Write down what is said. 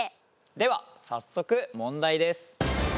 では早速問題です。